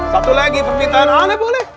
satu lagi permintaan anda boleh